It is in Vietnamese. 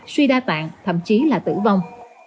tuy đa tạng thậm chí là tử vong